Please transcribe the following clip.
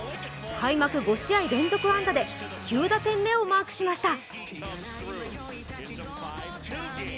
開幕５試合連続安打で９打点目をマークしました。